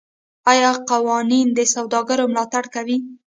آیا قوانین د سوداګرو ملاتړ کوي؟